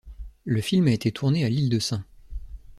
Le film a été tourné à l'ile de Sein.